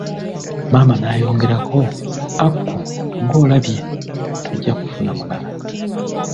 Maama n'ayongerako, Aku ngo'labye, tojja kusobola kufuna mulala.